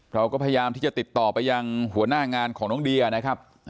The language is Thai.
เราก็พยายามที่จะติดต่อไปยังหัวหน้างานของน้องเดียนะครับ